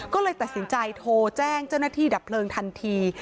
ก็เลยตัดสินใจโทรแจ้งเจ้าหน้าที่ดับเพลิงทันที